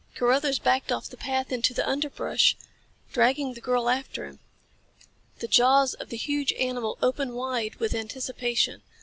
Carruthers backed off the path into the underbrush, dragging the girl after him. The jaws of the huge animal opened wide with anticipation.